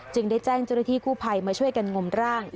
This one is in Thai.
จึงได้แจ้งเจริธีคู่ภัยมาช่วยกันงมร่าง